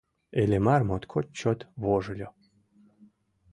Иллимар моткоч чот вожыльо.